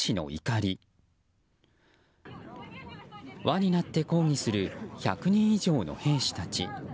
輪になって抗議する１００人以上の兵士たち。